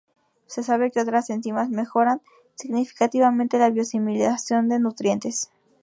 Se sabe que otras enzimas mejoran significativamente la bio-asimilación de nutrientes.